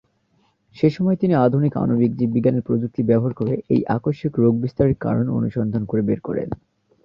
সেসময় তিনি আধুনিক আণবিক জীববিজ্ঞানের প্রযুক্তি ব্যবহার করে এই আকস্মিক রোগ বিস্তারের কারণ অনুসন্ধান করে বের করেন।